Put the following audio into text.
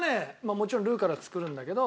もちろんルーから作るんだけど。